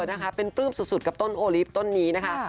นะคะเป็นปลื้มสุดกับต้นโอลิฟต์ต้นนี้นะคะ